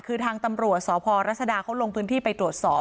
คือทางตำรวจสพรัศดาเขาลงพื้นที่ไปตรวจสอบ